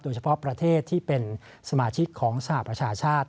ประเทศที่เป็นสมาชิกของสหประชาชาติ